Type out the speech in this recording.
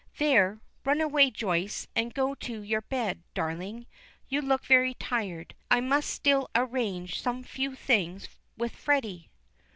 "There, run away, Joyce, and go to your bed, darling; you look very tired. I must still arrange some few things with Freddy."